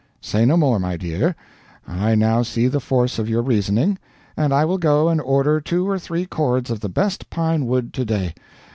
"Say no more, my dear. I now see the force of your reasoning, and I will go and order two or three cords of the best pine wood to day.